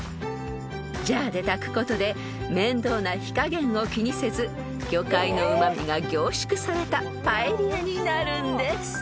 ［ジャーで炊くことで面倒な火加減を気にせず魚介のうま味が凝縮されたパエリアになるんです］